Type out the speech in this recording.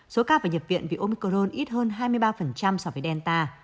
sốt cao và nhập viện vì omicron ít hơn hai mươi ba so với delta